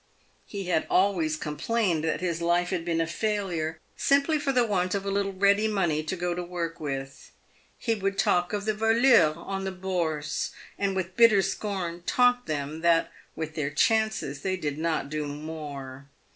He had always complained that his life had been a failure simply for the want of a little ready money to go to work with. He would talk of the voleurs on the Bourse, and with bitter scorn taunt them that, with their chances, they did not do more.